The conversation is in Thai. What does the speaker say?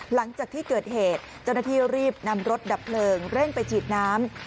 หลังจากที่เกิดเหตุเจ้าหน้าที่รีบนำรถดับเพลิงเร่งไปฉีดน้ำ